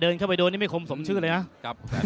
เดินมาด้วยไม่คงเข้ามาสมชื่นนะครับ